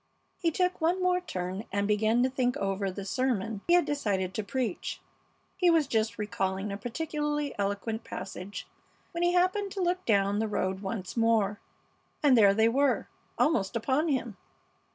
He took one more turn and began to think over the sermon he had decided to preach. He was just recalling a particularly eloquent passage when he happened to look down the road once more, and there they were, almost upon him!